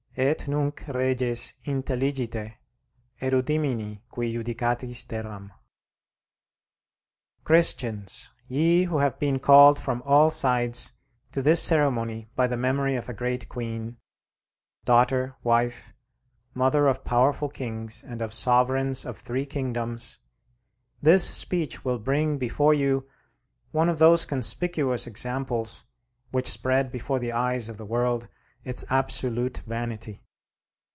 "Et nunc, reges, intelligite; erudimini, qui judicatis terram." Christians, ye who have been called from all sides to this ceremony by the memory of a great Queen, daughter, wife, mother of powerful kings and of sovereigns of three kingdoms, this speech will bring before you one of those conspicuous examples which spread before the eyes of the world its absolute vanity.